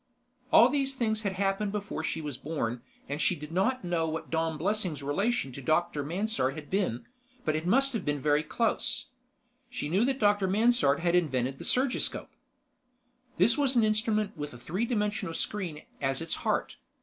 All these things had happened before she was born, and she did not know what Dom Blessing's relation to Dr. Mansard had been, but it must have been very close. She knew that Dr. Mansard had invented the surgiscope. This was an instrument with a three dimensional screen as its heart.